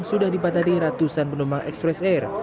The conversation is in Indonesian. sudah dipatadi ratusan penumpang ekspres air